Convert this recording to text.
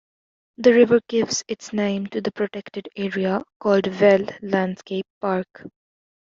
The river gives its name to the protected area called Wel Landscape Park.